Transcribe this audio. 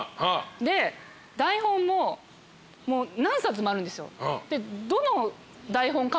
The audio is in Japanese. で台本も何冊もあるんですよ。